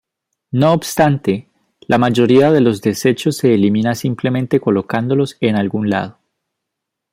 No obstante, la mayoría de los desechos se elimina simplemente colocándolos en algún lado.